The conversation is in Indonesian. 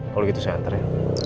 kalau gitu saya antar ya